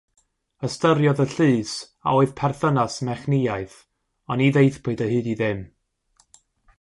Ystyriodd y Llys a oedd perthynas mechnïaeth ond ni ddaethpwyd o hyd i ddim.